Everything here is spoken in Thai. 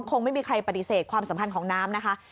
คงไม่มีใครปฏิเสธความสัมพันธ์ของน้ำนะคะ